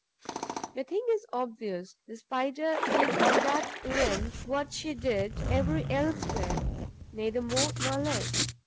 The thing is obvious: the Spider did on that rent what she did every elsewhere, neither more nor less.